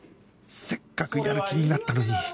せっかくやる気になったのに